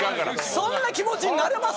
そんな気持ちになれます？